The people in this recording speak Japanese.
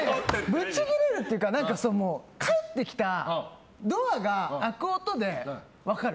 ブチギレるっていうか帰ってきたドアが開く音で分かる。